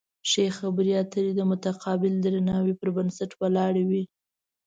ښې خبرې اترې د متقابل درناوي پر بنسټ ولاړې وي.